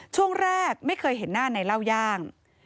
ช่วงแรกไม่เคยเห็นหน้าในเล่าย่าง